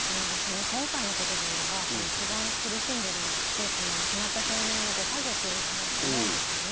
今回のことで言えば一番苦しんでるのってこの亡くなった少年のご家族だろうと思うんですよね。